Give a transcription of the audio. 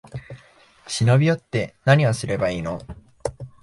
忍び寄って、なにをすればいいの？